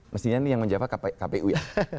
mestinya ini yang menjawab kpu ya